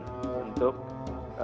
bagaimana menurut ibu kota